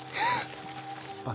あっ！？